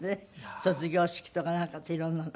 卒業式とかなんかって色んなの。